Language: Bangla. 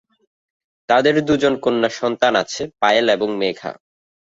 তাদের দুইজন কন্যাসন্তান আছে, পায়েল এবং মেঘা।